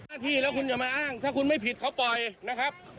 หน้าที่แล้วคุณอย่ามาอ้างถ้าคุณไม่ผิดเขาปล่อยนะครับ